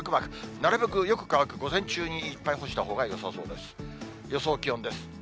なるべく、よく乾く午前中にいっぱい干したほうがよさそうです。